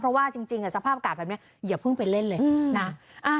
เพราะว่าจริงสภาพอากาศแบบนี้อย่าเพิ่งไปเล่นเลยนะ